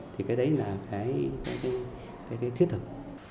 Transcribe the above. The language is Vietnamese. thì cái đấy là cái thiết thực